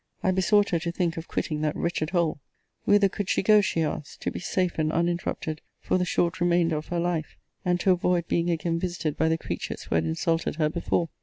I besought her to think of quitting that wretched hole. Whither could she go, she asked, to be safe and uninterrupted for the short remainder of her life; and to avoid being again visited by the creatures who had insulted her before?